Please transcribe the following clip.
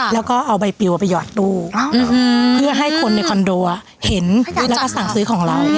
แล้วก็เอาใบปิวไปหยอดตู้เพื่อให้คนในคอนโดเห็นแล้วก็สั่งซื้อของเรา